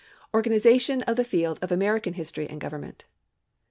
Organization of the Field of American History and Government.